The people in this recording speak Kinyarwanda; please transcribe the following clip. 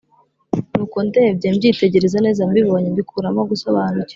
nuko ndebye mbyitegereza neza, mbibonye mbikuramo gusobanukirwa